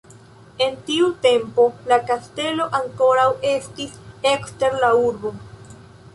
En tiu tempo la kastelo ankoraŭ estis ekster la urbo.